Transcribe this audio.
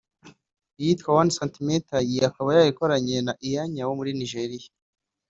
iyitwa “One Centimeter” iyi akaba yarayikoranye na Iyanya wo muri Nigeria